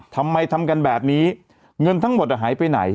ทำกันแบบนี้เงินทั้งหมดหายไปไหน